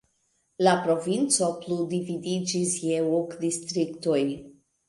La provinco plu dividiĝis je ok distriktoj.